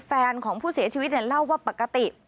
แฟนของผู้เสียชีวิตเนี่ยเล่าว่าปกติ